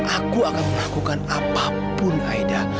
aku akan melakukan apapun aida